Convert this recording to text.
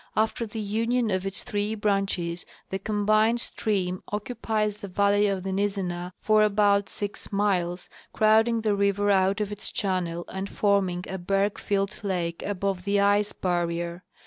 After the union of its three branches the combined stream occu pies the valley of the Nizzenah for about six miles, crowding the river out of its channel and forming a berg filled lake above the ice barrier.